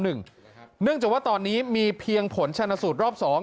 เนื่องจากว่าตอนนี้มีเพียงผลชนสูตรรอบ๒